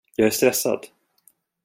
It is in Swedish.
Jag är stressad.